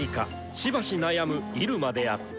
しばし悩む入間であった。